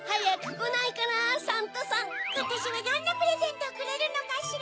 ことしはどんなプレゼントをくれるのかしら？